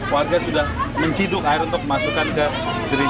warga sudah menciduk air untuk dimasukkan ke gering